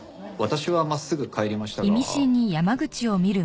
私は真っすぐ帰りましたが。